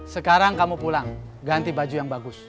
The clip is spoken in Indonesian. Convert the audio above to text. sekarang kamu pulang ganti baju yang bagus